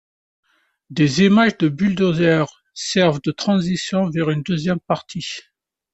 Des images de bulldozer servent de transition vers une deuxième partie.